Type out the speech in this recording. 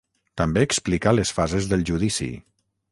També explica les fases del judici.